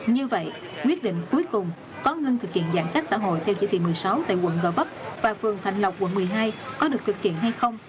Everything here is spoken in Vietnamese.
như vậy quyết định cuối cùng có ngưng thực hiện giãn cách xã hội theo chỉ thị một mươi sáu tại quận gò vấp và phường thạnh lộc quận một mươi hai có được thực hiện hay không